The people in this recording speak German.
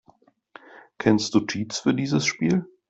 Kennst du Cheats für dieses Spiel?